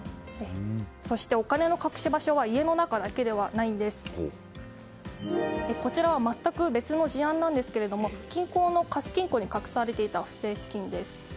そして、お金の隠し場所は家の中だけではないんです。こちらは全く別の事案ですが銀行の貸金庫に隠されていた不正資金です。